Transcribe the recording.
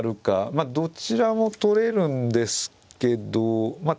まあどちらも取れるんですけどまあ